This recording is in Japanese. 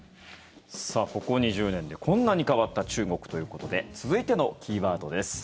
ここ２０年でこんなに変わった中国ということで続いてのキーワードです。